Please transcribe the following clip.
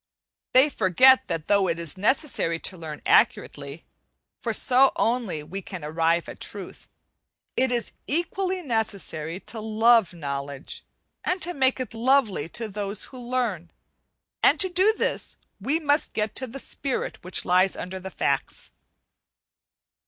They forget that though it is necessary to learn accurately, for so only we can arrive at truth, it is equally necessary to love knowledge and make it lovely to those who learn, and to do this we must get at the spirit which lies under the facts.